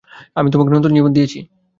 আমি তোমাকে নতুন জীবন দিয়েছি।